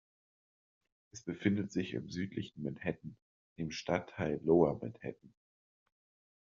Es befindet sich im südlichen Manhattan, dem Stadtteil Lower Manhattan.